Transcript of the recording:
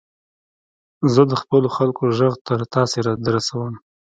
زه د خپلو خلکو ږغ تر تاسي در رسوم.